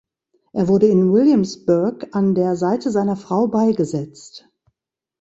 Er wurde in Williamsburg an der Seite seiner Frau beigesetzt.